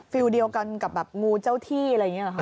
ฟิลเดียวกันกับแบบงูเจ้าที่อะไรอย่างนี้หรอครับ